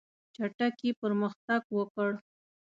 چټکي پرمختګ وکړ.